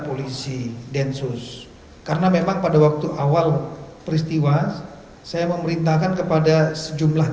polisi densus karena memang pada waktu awal peristiwa saya memerintahkan kepada sejumlah